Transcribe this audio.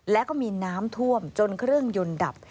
และก็มีน้ำท่วมจนเครื่องยนต์ดับ